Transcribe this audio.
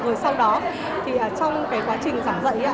rồi sau đó thì trong cái quá trình giảng dạy